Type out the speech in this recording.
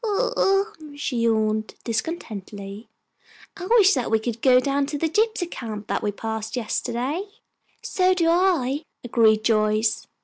"Ho hum!" she yawned, discontently. "I wish that we could go down to the gypsy camp that we passed yesterday." "So do I," agreed Joyce.